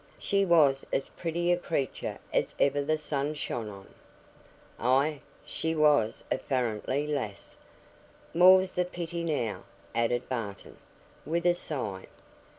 "She was as pretty a creature as ever the sun shone on." "Ay, she was a farrantly lass; more's the pity now," added Barton, with a sigh.